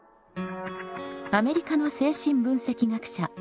アメリカの精神分析学者